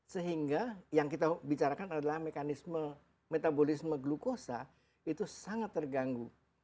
sehingga yang kita bicarakan adalah mekanisme metabolisme glukosa itu sangat terganggu